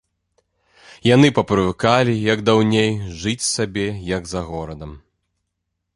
Яны папрывыкалі, як даўней, жыць сабе, як за горадам.